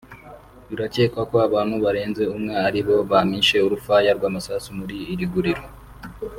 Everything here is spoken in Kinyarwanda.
Birakekwa ko abantu barenze umwe aribo bamishe urufaya rw’amasasu muri iri guriro